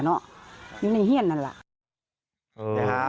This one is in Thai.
ในเฮียนนั่นแหละ